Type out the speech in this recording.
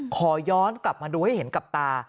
ขอย้อนกลับมาดูให้เห็นกับตา